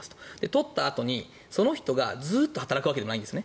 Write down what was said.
採ったあとに、その人がずっと働くわけではないんです。